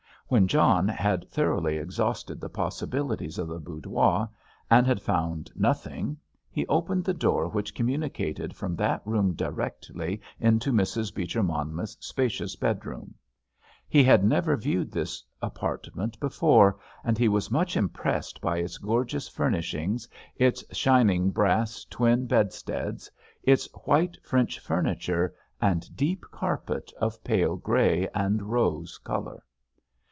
When John had thoroughly exhausted the possibilities of the boudoir and had found nothing, he opened the door which communicated from that room directly into Mrs. Beecher Monmouth's spacious bedroom. He had never viewed this apartment before, and he was much impressed by its gorgeous furnishings, its shining brass twin bedsteads, its white French furniture and deep carpet of pale grey and rose colour.